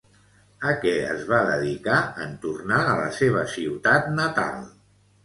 A què es va dedicar en tornar a la seva ciutat natal?